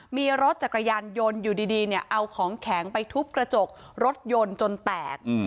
มีรถจักรยานยนต์อยู่ดีเนี่ยเอาของแข็งไปทุบกระจกรถยนต์จนแตก